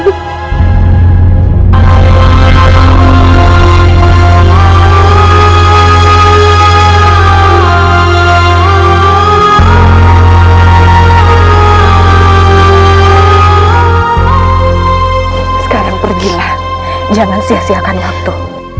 ibu nang akan selamatkan ibu